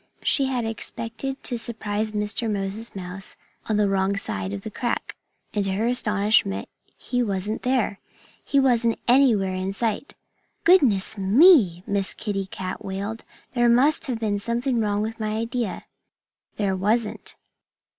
She had expected to surprise Mr. Moses Mouse on the wrong side of the crack. And to her astonishment, he wasn't there. He wasn't anywhere in sight. "Goodness me!" Miss Kitty Cat wailed. "There must have been something wrong with my idea." There wasn't.